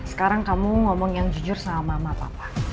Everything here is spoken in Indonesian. sekarang kamu ngomong yang jujur sama mama papa